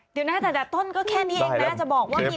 เดี๋ยวนะต้นก็แค่นี้เองถ้าเธอบอกอย่างงี้